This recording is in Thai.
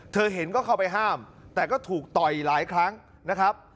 เธอเห็นก็เข้าไปห้ามแต่ก็ถูกต่อยหลายครั้งนะครับ